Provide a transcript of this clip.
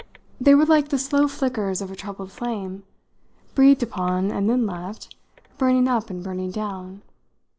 They were like the slow flickers of a troubled flame, breathed upon and then left, burning up and burning down.